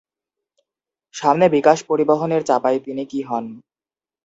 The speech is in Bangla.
সামনে বিকাশ পরিবহনের চাপায় তিনি কি হন?